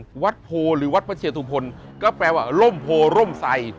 หรือวัดโพหรือวัดพระเชฑุพลก็แปลว่าลมโพห์ลมไส